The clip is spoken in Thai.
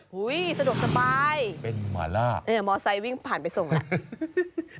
สะดวกสบายเป็นหมาล่าเออมอไซค์วิ่งผ่านไปส่งแล้ว